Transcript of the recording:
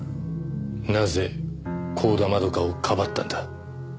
なぜ光田窓夏をかばったんだ？